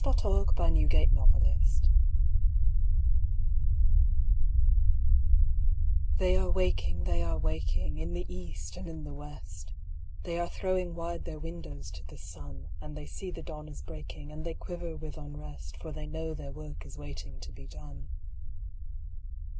BATTLE HYMN OF THE WOMEN They are waking, they are waking, In the east, and in the west; They are throwing wide their windows to the sun; And they see the dawn is breaking, And they quiver with unrest, For they know their work is waiting to be done.